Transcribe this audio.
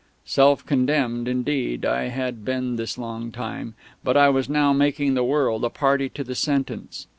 Self condemned, indeed, I had been this long time; but I was now making the world a party to the sentence.